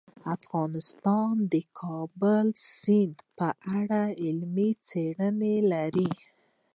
افغانستان د د کابل سیند په اړه علمي څېړنې لري.